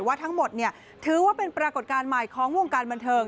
ว่าทั้งหมดถือว่าเป็นปรากฏการณ์ใหม่ของวงการบันเทิง